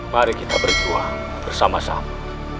mari kita berjuang bersama sama